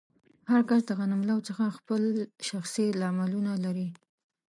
هر کس د غنملو څخه خپل شخصي لاملونه لري.